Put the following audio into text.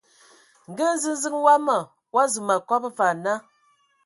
Nga nziziŋ wama o azu ma kɔb va ana.